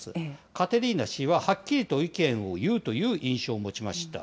カテリーナ氏ははっきりと意見を言うという印象を持ちました。